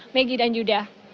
pegi dan yuda